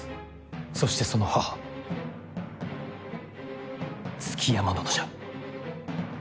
そして、その母築山殿じゃ。